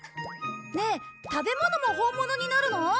ねえ食べ物も本物になるの？